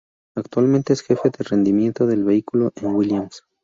Actualmente es jefe de rendimiento del vehículo en Williams.